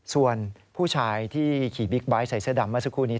ส่วนผู้ชายที่ขี่บิ๊กไบท์ใส่เสื้อดำเมื่อสักครู่นี้